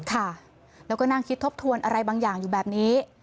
ค่ะแล้วก็นั่งคิดทบทวนอะไรบางอย่างอยู่แบบนี้